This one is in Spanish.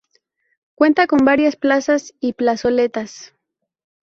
Cuenta con varias plazas y plazoletas.